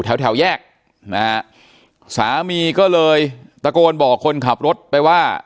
แถวแถวแยกนะฮะสามีก็เลยตะโกนบอกคนขับรถไปว่า